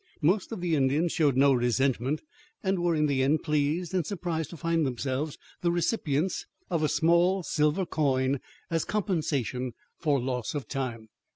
Most of the Indians showed no resentment and were in the end pleased and surprised to find themselves the recipients of a small silver coin as compensation for loss of time.